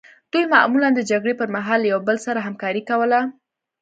دوی معمولا د جګړې پرمهال له یو بل سره همکاري کوله.